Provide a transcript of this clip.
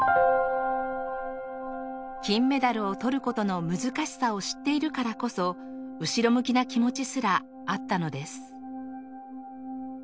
金メダルをとる事の難しさを知っているからこそ後ろ向きな気持ちすらあったのです